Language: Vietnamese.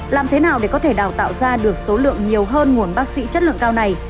làm thế nào để có thể đào tạo ra được số lượng nhiều hơn nguồn bác sĩ chất lượng cao này